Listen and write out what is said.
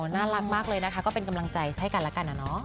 น่ารักมากเลยนะคะก็เป็นกำลังใจให้กันแล้วกันนะเนาะ